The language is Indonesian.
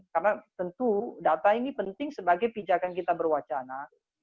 karena tentu data ini penting sebagai pijakan kita berwacana